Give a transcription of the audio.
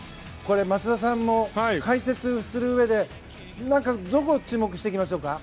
松田さんも解説するうえでどこに注目していきましょうか。